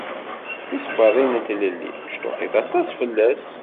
Tisebbaḍin n Tilelli mecṭuḥit aṭas fell-as.